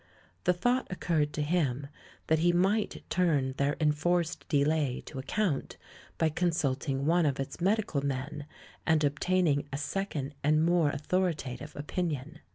The thought occurred to him that he might turn their enforced delay to account by consulting one of its medical men and obtaining a second and more authoritative opinion.